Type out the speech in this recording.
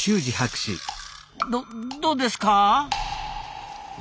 どどうですか？